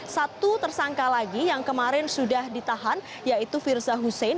satu tersangka lagi yang kemarin sudah ditahan yaitu firza husein